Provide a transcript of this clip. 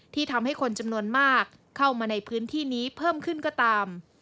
ทำให้คนจำนวนมากเข้ามาในพื้นที่นี้เพิ่มขึ้นก็ตาม